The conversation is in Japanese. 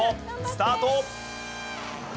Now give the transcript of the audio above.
スタート！